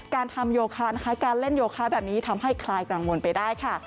การทำโยคะการเล่นโยคะแบบนี้ทำให้คลายกังวลไปได้ค่ะ